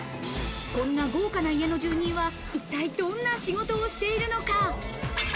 こんな豪華な家の住人は一体どんな仕事をしているのか。